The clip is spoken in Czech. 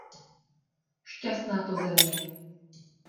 Šťastná to země!